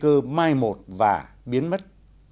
khi cơ mai một và biến mất